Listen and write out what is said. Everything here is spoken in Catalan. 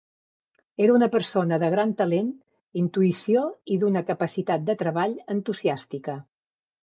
Era una persona de gran talent, intuïció i d'una capacitat de treball entusiàstica.